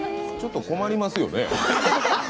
ちょっと困りますよね。